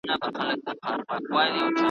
وسله هغه ده چي په لاس کي وي ,